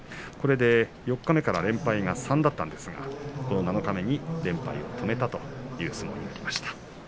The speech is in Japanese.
四日目から連敗が３だったんですが七日目に連敗を止めたという相撲になりました。